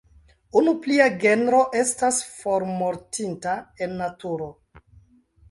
Unu plia genro estas formortinta en naturo.